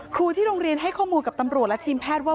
ครูที่โรงเรียนให้ข้อมูลกับตำรวจและทีมแพทย์ว่า